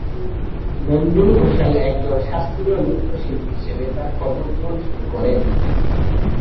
নন্দিনী ঘোষাল একজন শাস্ত্রীয় নৃত্যশিল্পী হিসেবে তার কর্মজীবন শুরু করেন।